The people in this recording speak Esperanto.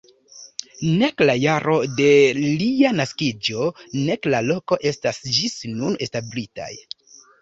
Nek la jaro de lia naskiĝo, nek la loko estas ĝis nun establitaj.